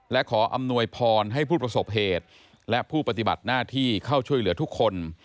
และขออำนวยพรให้ผู้ประสบเหตุและผู้ปฏิบัติหน้าที่เข้าช่วยเหลือทุกคน